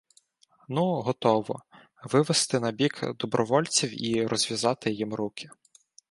— Ну, готово! Вивести набік добровольців і розв'язати їм руки!